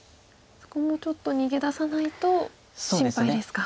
そこもちょっと逃げ出さないと心配ですか。